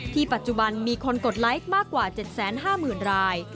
ปัจจุบันมีคนกดไลค์มากกว่า๗๕๐๐๐ราย